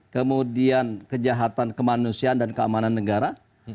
kemudian kejahatan kemanusiaan dan keamanan negara